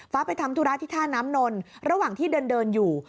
ไปทำธุระที่ท่าน้ำนนระหว่างที่เดินอยู่